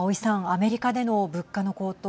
アメリカでの物価の高騰